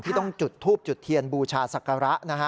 ที่ต้องจุดธูปจุดเทียนบูชาสักระ